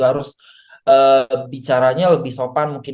harus bicaranya lebih sopan mungkin